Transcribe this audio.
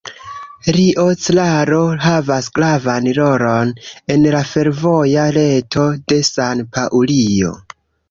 Rio Claro havas gravan rolon en la fervoja reto de San-Paŭlio.